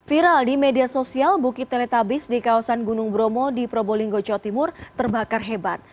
viral di media sosial bukit teletabis di kawasan gunung bromo di probolinggo jawa timur terbakar hebat